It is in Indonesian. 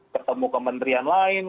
ketemu ke menterian lain